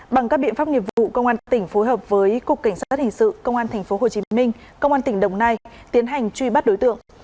bằng các biện pháp nghiệp vụ công an tỉnh phối hợp với cục cảnh sát hình sự công an thành phố hồ chí minh công an tỉnh đồng nai tiến hành truy bắt đối tượng